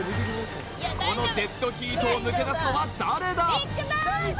このデッドヒートを抜け出すのは誰だ？